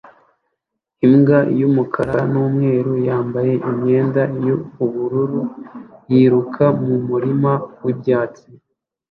Imbwa y'umukara n'umweru yambaye imyenda y'ubururu yiruka mu murima w'ibyatsi